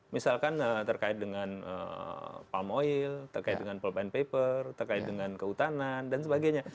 misalkan terkait dengan palm oil terkait dengan pulpen paper terkait dengan kehutanan dan sebagainya